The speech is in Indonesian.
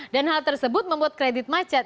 dan hal tersebut membuat kredit macet